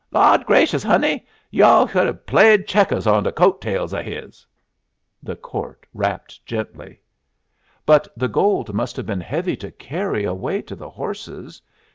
"Lawd grashus, honey, yo' could have played checkers on dey coat tails of his." The court rapped gently. "But the gold must have been heavy to carry away to the horses.